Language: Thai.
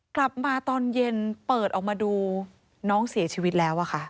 กลับมาตอนเย็นเปิดออกมาดูน้องเสียชีวิตแล้วค่ะ